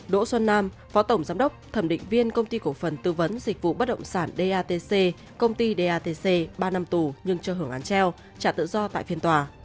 đỗ xuân nam phó tổng giám đốc thẩm định viên công ty cổ phần tư vấn dịch vụ bất động sản datc công ty datc ba năm tù nhưng cho hưởng án treo trả tự do tại phiên tòa